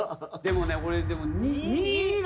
でもね。